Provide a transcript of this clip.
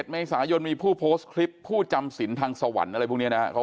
เมษายนมีผู้โพสต์คลิปผู้จำสินทางสวรรค์อะไรพวกนี้นะครับ